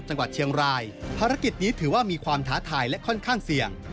จังหวัดเชียงรายภารกิจนี้ถือว่ามีความท้าทายและค่อนข้างเสี่ยง